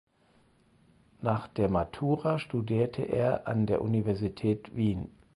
Nach der Matura studierte er an der Universität Wien.